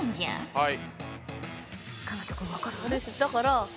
はい。